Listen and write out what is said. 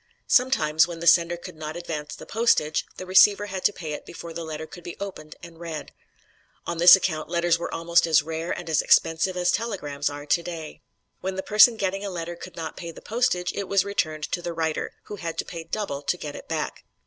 Sometimes, when the sender could not advance the postage, the receiver had to pay it before the letter could be opened and read. On this account letters were almost as rare and as expensive as telegrams are today. When the person getting a letter could not pay the postage, it was returned to the writer, who had to pay double to get it back.